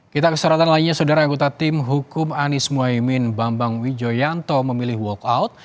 kita keseratan lainnya saudara agota tim hukum anies muaymin bambang wijoyanto memilih walkout